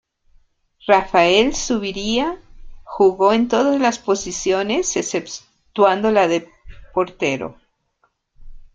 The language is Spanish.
Rafael Zuviría jugó en todas las posiciones exceptuando la de portero.